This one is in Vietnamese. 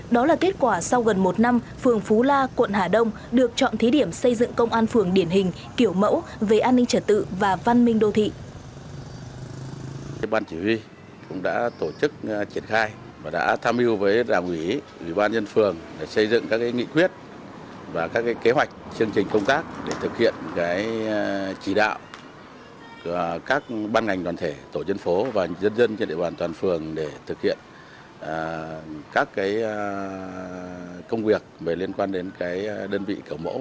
đó là kết quả sau gần một năm phường phú la quận hà đông được chọn thí điểm xây dựng công an phường điển hình kiểu mẫu về an ninh trật tự và văn minh đô thị